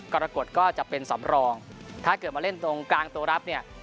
กรกฎก็จะเป็นสำรองถ้าเกิดมาเล่นตรงกลางตัวรับเนี่ย